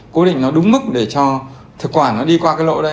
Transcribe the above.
cố định nó đúng mức để cho thực quả nó đi qua cái lỗ đây